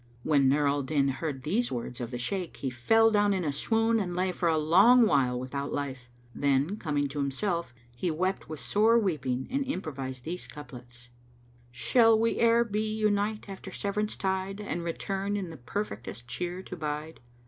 When Nur al Din heard these words of the Shaykh he fell down in a swoon and lay for a long while without life; then, coming to himself, he wept with sore weeping and improvised these couplets, "Shall we e'er be unite after severance tide * And return in the perfectest cheer to bide?